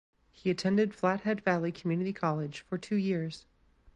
He attended Flathead Valley Community College for two years.